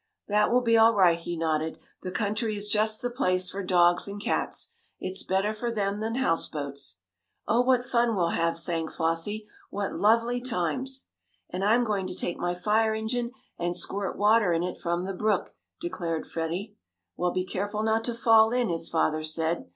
"That will be all right," he nodded. "The country is just the place for dogs and cats it's better for them than houseboats." "Oh, what fun we'll have!" sang Flossie. "What lovely times!" "And I'm going to take my fire engine, and squirt water in it from the brook," declared Freddie. "Well, be careful not to fall in," his father said.